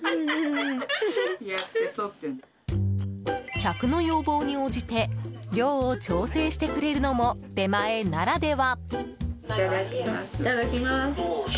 客の要望に応じて、量を調整してくれるのも出前ならでは。